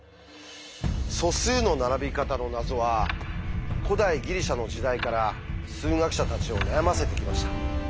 素数の並び方の謎は古代ギリシャの時代から数学者たちを悩ませてきました。